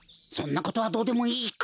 そんなことはどうでもいい！